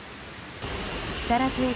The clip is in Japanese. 木更津駅